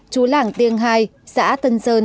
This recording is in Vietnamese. chú lảng tiên hai xã tân sơn